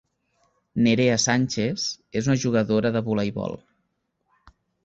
Nerea Sánchez és una jugadora de voleibol.